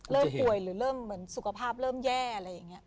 เริ่มป่วยหรือเริ่มเหมือนสุขภาพเริ่มแย่อะไรอย่างนี้